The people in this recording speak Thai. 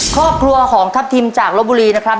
ครอบครัวของทัพทิมจากลบบุรีนะครับ